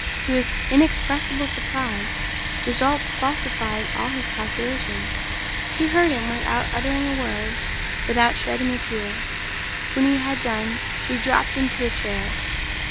To his inexpressible surprise, results falsified all his calculations. She heard him without uttering a word, without shedding a tear. When he had done, she dropped into a chair.